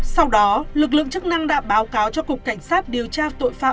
sau đó lực lượng chức năng đã báo cáo cho cục cảnh sát điều tra tội phạm